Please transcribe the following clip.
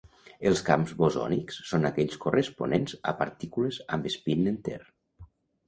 Els camps bosònics són aquells corresponents a partícules amb espín enter.